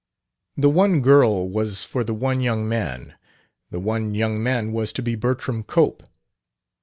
The one girl was for the one young man. The one young man was to be Bertram Cope.